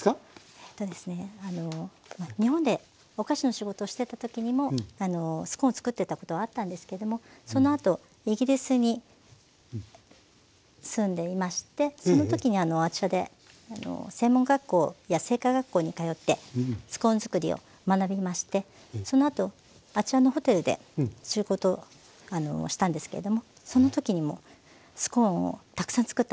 えっとですね日本でお菓子の仕事をしてたときにもスコーンを作ってたことはあったんですけどもそのあとイギリスに住んでいましてそのときにあちらで専門学校や製菓学校に通ってスコーン作りを学びましてそのあとあちらのホテルで仕事したんですけれどもそのときにもスコーンをたくさん作ったんですね。